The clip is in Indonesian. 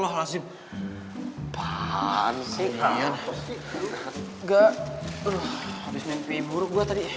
habis mimpi buruk gue tadi